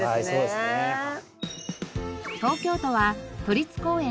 東京都は都立公園